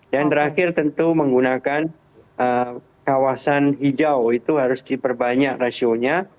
dan terakhir tentu menggunakan kawasan hijau itu harus diperbanyak rasionya